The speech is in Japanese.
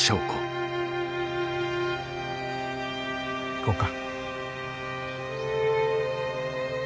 行こうか。